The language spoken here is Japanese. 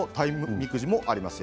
みくじもありますよ。